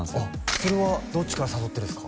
それはどっちから誘ってですか？